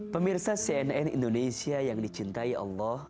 pemirsa cnn indonesia yang dicintai allah